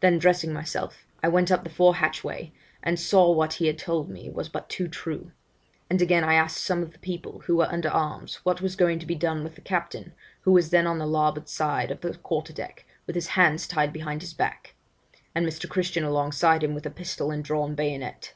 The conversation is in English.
Then dressing myself, I went up the fore hatchway, and saw what he had told me was but too true; and again, I asked some of the people, who were under arms, what was going to be done with the captain, who was then on the larboard side of the quarter deck, with his hands tied behind his back, and Mr. Christian alongside him with a pistol and drawn bayonet.